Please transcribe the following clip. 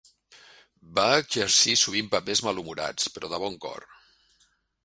Va exercir sovint papers malhumorats, però de bon cor.